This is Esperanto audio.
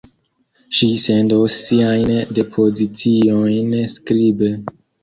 Ŝi sendos siajn depoziciojn skribe.